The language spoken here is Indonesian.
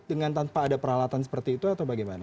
dengan tanpa ada peralatan seperti itu atau bagaimana